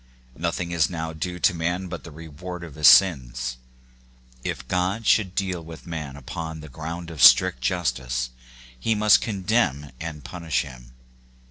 Nothing is now due to man but the reward of his sins. If God should now deal with man upon the ground of strict justice, he must condemn and pun ish him.